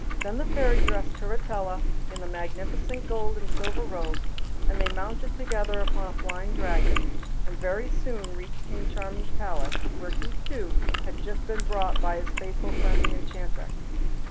Then the Fairy dressed Turritella in a magnificent gold and silver robe, and they mounted together upon a flying Dragon, and very soon reached King Charming's palace, where he, too, had just been brought by his faithful friend the Enchanter.